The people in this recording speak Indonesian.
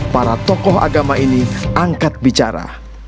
para tokoh agama ini angkat bicara